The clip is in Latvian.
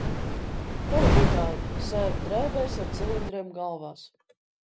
Pavadītāji – sēru drēbēs ar cilindriem galvās.